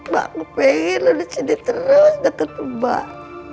mak pengen lu disini terus deket ke mbak